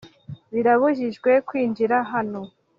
Birabujijwe kwinjira hano